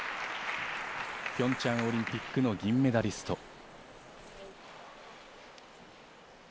ピョンチャンオリンピックの銀メダリスト。